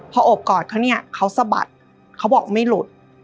พอโอบกอดเขาเนี่ยเขาสะบัดเขาบอกไม่หลุด